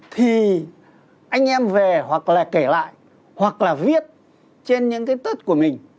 thì anh em về hoặc là kể lại hoặc là viết trên những cái tuất của mình